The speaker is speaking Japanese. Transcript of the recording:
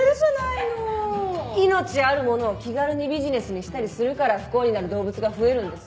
命あるものを気軽にビジネスにしたりするから不幸になる動物が増えるんですよ。